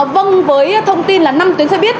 vâng với thông tin là năm tuyến xe buýt